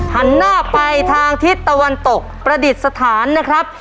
หันหน้าไปทางทิศตะวันตกประดิษฐานนะครับ